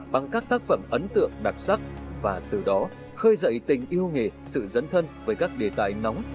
bằng các tác phẩm ấn tượng đặc sắc và từ đó khơi dậy tình yêu nghề sự dẫn thân với các đề tài nóng